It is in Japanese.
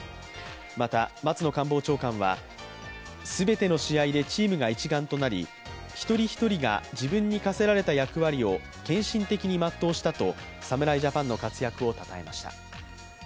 また松野官房長官は、全ての試合でチームが一丸となり一人一人が自分に課せられた役割を献身的に全うしたと侍ジャパンの活躍をたたえました。